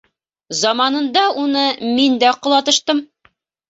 Заманында уны мин дә ҡолатыштым.